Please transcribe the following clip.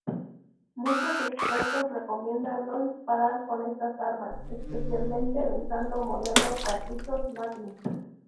Muchos expertos recomiendan no disparar con estas armas, especialmente usando modernos cartuchos Magnum.